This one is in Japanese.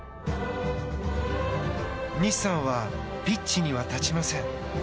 西さんはピッチには立ちません。